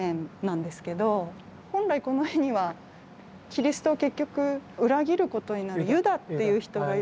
本来この絵にはキリストを結局裏切ることになる「ユダ」という人がいる。